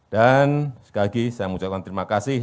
dan sekali lagi saya mengucapkan terima kasih